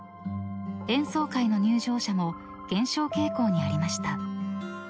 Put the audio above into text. ［演奏会の入場者も減少傾向にありました］